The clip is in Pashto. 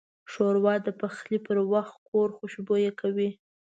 ښوروا د پخلي پر وخت کور خوشبویه کوي.